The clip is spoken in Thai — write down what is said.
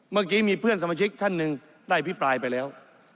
เมื่อกี้มีเพื่อนสมาชิกท่านหนึ่งได้อภิปรายไปแล้ว